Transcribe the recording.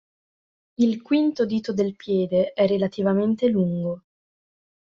Il quinto dito del piede è relativamente lungo.